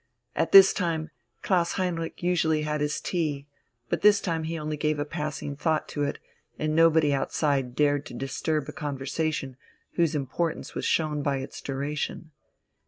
At this time Klaus Heinrich usually had his tea, but this time he only gave a passing thought to it, and nobody outside dared to disturb a conversation whose importance was shown by its duration.